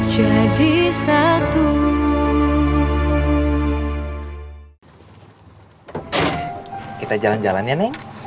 kita jalan jalan ya neng